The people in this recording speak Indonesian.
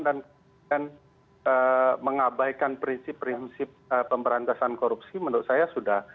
dan mengabaikan prinsip prinsip pemberantasan korupsi menurut saya sudah